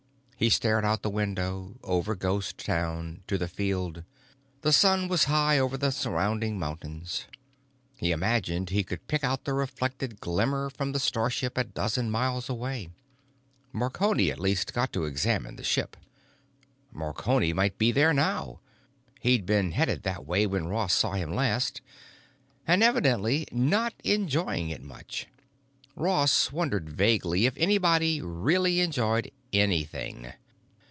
He stared out the window, over Ghost Town, to the Field. The sun was high over the surrounding mountains; he imagined he could pick out the reflected glimmer from the starship a dozen miles away. Marconi at least got to examine the ship. Marconi might be there now; he'd been headed that way when Ross saw him last. And evidently not enjoying it much. Ross wondered vaguely if anybody really enjoyed anything.